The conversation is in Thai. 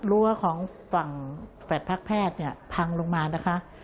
ลัวของฝั่งแฝดพรรคแพทย์พังลงมานะคะ